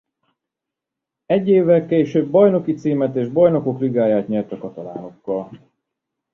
Egy évvel később bajnoki címet és Bajnokok Ligáját nyert a katalánokkal.